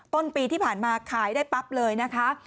ต้นปีที่ผ่านมาขายได้ปั๊บเลยนะคะ